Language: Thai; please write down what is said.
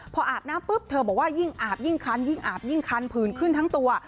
พออาบน้ำปุ๊บเธอบอกว่ายิ่งอาบยิ่งคันผื่นขึ้นทั้งตัว